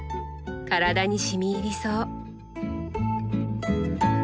体にしみ入りそう。